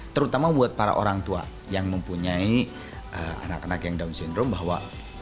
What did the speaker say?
terutama buat para orang tua yang mempunyai anak anak yang down syndrome bahwa